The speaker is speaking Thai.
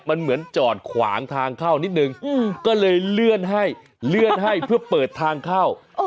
มันเหมือนจอดขวางทางเข้านิดนึงก็เลยเลื่อนให้เลื่อนให้เพื่อเปิดทางเข้า